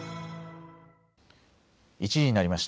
１時になりました。